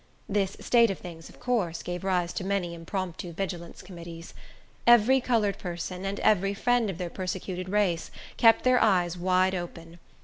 This state of things, of course, gave rise to many impromptu vigilance committees. Every colored person, and every friend of their persecuted race, kept their eyes wide open.